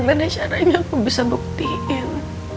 gimana caranya aku bisa buktiin